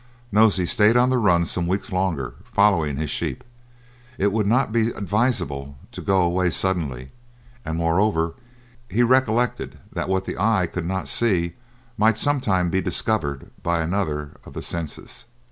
Nosey stayed on the run some weeks longer, following his sheep. It would not be advisable to go away suddenly, and, moreover, he recollected that what the eye could not see might some time be discovered by another of the senses.